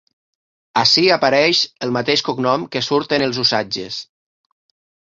Ací apareix el mateix cognom que surt en els Usatges.